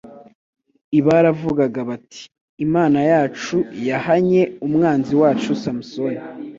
i baravugaga bati imana yacu yahanye umwanzi wacu samusoni